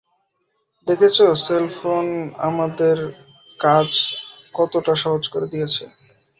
দেখেছো সেলফোন আমাদের কাজ কতটা সহজ করে দিয়েছে?